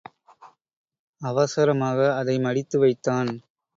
அவசரமாக அதை மடித்து வைத்தான்.